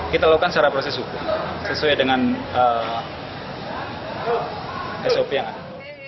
kita lakukan secara proses hukum sesuai dengan sop yang ada